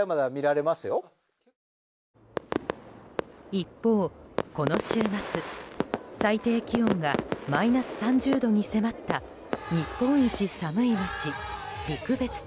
一方この週末、最低気温がマイナス３０度に迫った日本一寒い町・陸別町。